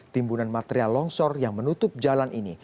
timbunan material longsor yang menutup jalan ini